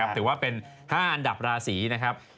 ถือว่าเป็น๕อันดับราศีนะครับ